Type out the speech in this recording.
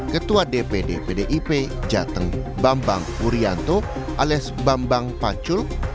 ketua dpd pdip jateng bambang wuryanto alias bambang pacul